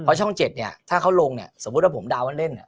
เพราะช่องเจ็ดเนี้ยถ้าเขาลงเนี้ยสมมุติว่าผมดาวนเพื่อนเล่น